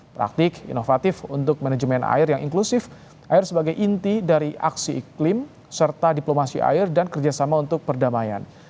praktik inovatif untuk manajemen air yang inklusif air sebagai inti dari aksi iklim serta diplomasi air dan kerjasama untuk perdamaian